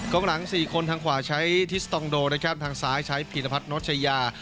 งหลัง๔คนทางขวาใช้ทิสตองโดนะครับทางซ้ายใช้พีรพัฒนชายา